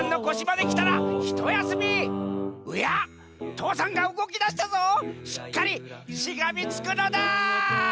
父山がうごきだしたぞしっかりしがみつくのだ！